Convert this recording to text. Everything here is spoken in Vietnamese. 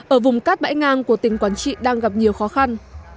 ở vùng cát bãi ngang của tỉnh quảng trị đang gặp nhiều khó khăn